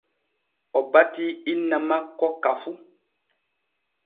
O batii inna makko ka fu.